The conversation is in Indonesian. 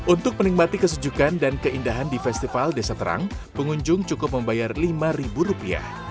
untuk menikmati kesujukan dan keindahan di festival desa terang pengunjung cukup membayar lima rupiah